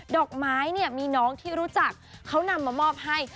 ดอกไม้เนี่ยมีน้องที่รู้จักเขานำมามอบให้